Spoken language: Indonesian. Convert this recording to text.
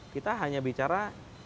kita hanya bicara